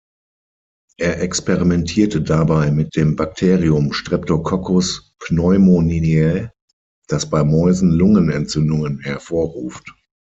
Er experimentierte dabei mit dem Bakterium "Streptococcus pneumoniae", das bei Mäusen Lungenentzündungen hervorruft.